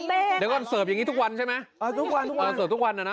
เดี๋ยวก่อนเสิร์ฟอย่างนี้ทุกวันใช่ไหมเออทุกวัน